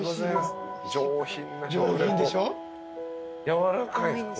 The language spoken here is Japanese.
やわらかい？